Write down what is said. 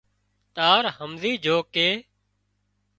تار همزي جھو ڪي